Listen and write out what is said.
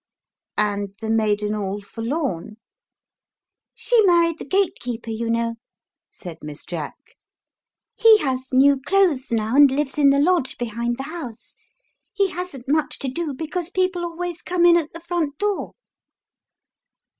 " And the maiden all forlorn?" " She married the gatekeeper, you know," said Miss Jack. " He has new clothes now, and lives in the lodge behind the house. He hasn't much to do, because people always come in at the front door."